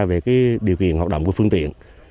về cái điều kiện hoạt động của phương tiện